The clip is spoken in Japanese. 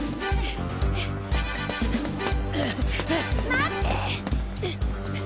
待って！